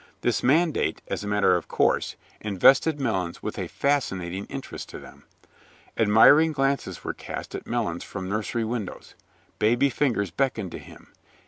This mandate, as a matter of course, invested Melons with a fascinating interest to them. Admiring glances were cast at Melons from nursery windows. Baby fingers beckoned to him.